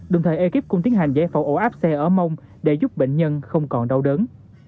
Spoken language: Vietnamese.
đồng thời ekip cũng tiến hành giải phẫu ổ áp xe ở mông để giúp bệnh nhân không còn đau đớn